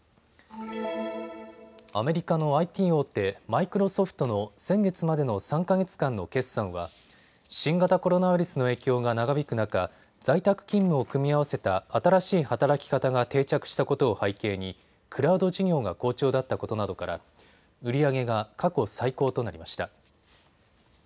アメリカのＩＴ大手、マイクロソフトの先月までの３か月間の決算は新型コロナウイルスの影響が長引く中、在宅勤務を組み合わせた新しい働き方が定着したことを背景にクラウド事業が好調だったことなどから売り上げが過去最高となりました。